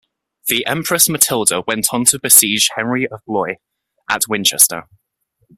The Empress Matilda went on to besiege Henry of Blois at Winchester.